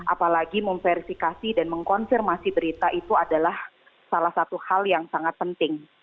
apalagi memverifikasi dan mengkonfirmasi berita itu adalah salah satu hal yang sangat penting